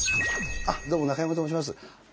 どうも中山と申します。